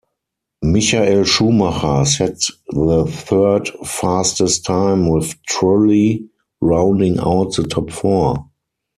Michael Schumacher set the third fastest time with Trulli rounding out the top four.